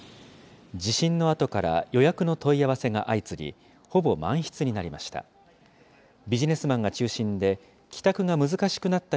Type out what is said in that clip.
地震のあとから予約の問い合わせが相次ぎ、ほぼ満室になりました。